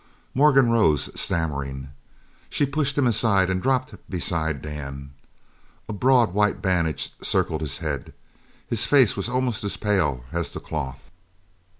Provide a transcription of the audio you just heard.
Morgan rose, stammering. She pushed him aside and dropped beside Dan. A broad white bandage circled his head. His face was almost as pale as the cloth.